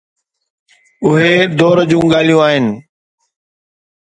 اهي دور جون ڳالهيون آهن.